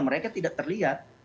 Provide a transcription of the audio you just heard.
mereka tidak terlihat